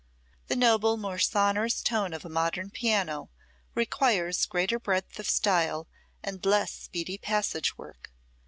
The noble, more sonorous tone of a modern piano requires greater breadth of style and less speedy passage work.